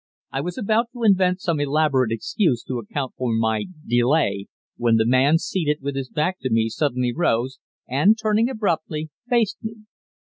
I was about to invent some elaborate excuse to account for my "delay," when the man seated with his back to me suddenly rose, and, turning abruptly, faced me.